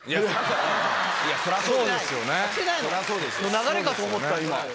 流れかと思った今。